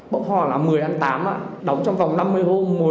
bỗng hò là một mươi ăn tám đóng trong vòng năm mươi hôm